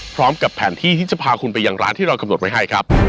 พร้อมกับแผนที่ที่จะพาคุณไปอย่างร้านที่เรากำหนดไว้ให้ครับ